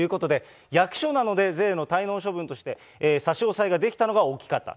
役所なので、税の滞納処分として、差し押さえができたのが大きかった。